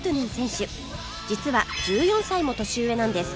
実は１４歳も年上なんです